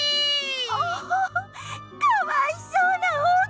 おおかわいそうなおうじさま！